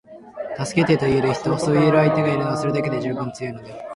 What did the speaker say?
「助けて」と言える人，そう言える相手がいる人は，それだけで十分強いのである．